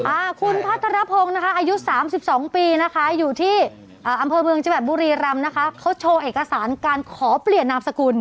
อ่าคุณพระธรพงษ์นะคะอายุ๓๒ปีนะคะอยู่ที่อำเภอเมืองจิบแบบบุรีรำนะคะเขาโชว์เอกสารการขอเปลี่ยนนามสกุล